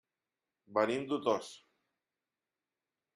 Venim d'Otos.